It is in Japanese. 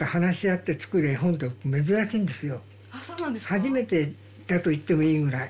初めてだと言ってもいいぐらい。